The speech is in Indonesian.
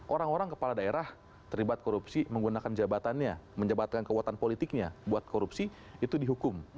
orang orang kepala daerah terlibat korupsi menggunakan jabatannya menjabatkan kekuatan politiknya buat korupsi itu dihukum